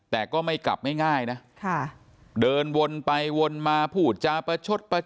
แต่ก็ไม่กลับไม่ง่ายนะเดินวนไปวนมาพูดจาประชดประช